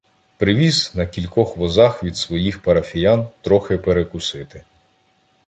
Привіз на кількох возах від своїх парафіян "трохи перекусити".